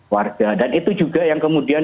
warga dan itu juga yang kemudian